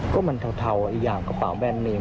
ก็มันเทาอีกอย่างกระเป๋าแบรนดเนม